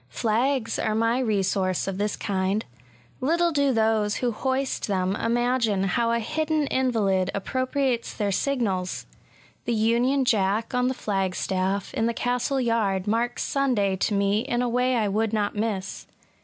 Flags are my resource of this Mnd. Little do those who hoist them imagine how a hidden invalid appropriates their signals ! The Union Jack on the flag staff, in the castle yard, marks Sunday to me in a way I would not miss.